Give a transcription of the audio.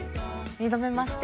二度目まして。